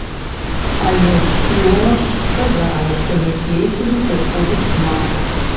Але ўсё ж сказалі, што людзей сюды прыходзіць шмат.